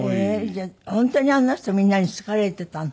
じゃあ本当にあの人みんなに好かれていたの？